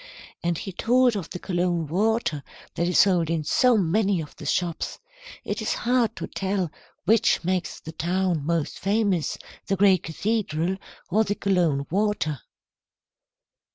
And he told of the Cologne water that is sold in so many of the shops. It is hard to tell which makes the town most famous, the great cathedral or the Cologne water."